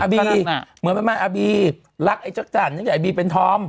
อาบีเมื่อมันมาอาบีรักไอ้จักรจันทร์จากไอ้บีเป็นท้อม